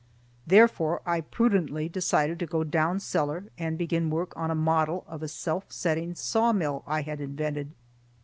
Therefore, I prudently decided to go down cellar, and begin work on a model of a self setting sawmill I had invented.